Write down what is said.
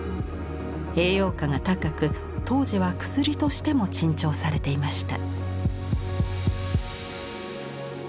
栄養価が高く当時は薬としても珍重されていました。